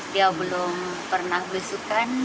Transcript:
dia belum pernah belusukan